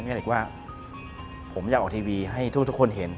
เด็กว่าผมอยากออกทีวีให้ทุกคนเห็น